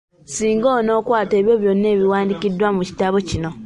Singa onookwata ebyo byonna ebiwandiikiddwa mu kitabo kino.